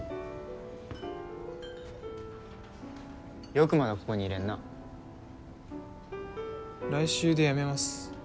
よくまだここにいれんな来週で辞めます